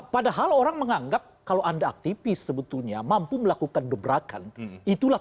padahal orang menganggap kalau anda aktivis sebetulnya mampu melakukan gebrakan itulah